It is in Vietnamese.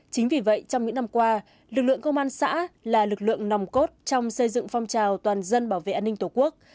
chính vì vậy trong những năm qua lực lượng công an xã là lực lượng nòng cốt trong xây dựng phong trào toàn dân bảo vệ an ninh tổ quốc